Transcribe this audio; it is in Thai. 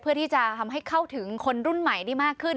เพื่อที่จะทำให้เข้าถึงคนรุ่นใหม่ได้มากขึ้น